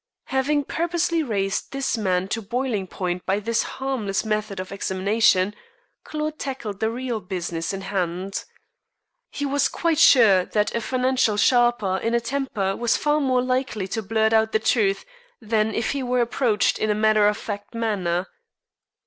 Having purposely raised this man to boiling point by this harmless method of examination, Claude tackled the real business in hand. He was quite sure that a financial sharper in a temper was far more likely to blurt out the truth than if he were approached in a matter of fact manner.